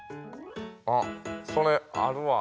あっそれあるわ。